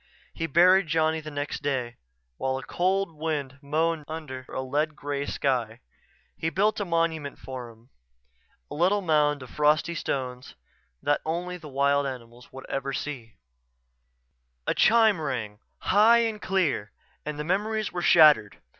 He buried Johnny the next day, while a cold wind moaned under a lead gray sky. He built a monument for him; a little mound of frosty stones that only the wild animals would ever see A chime rang, high and clear, and the memories were shattered.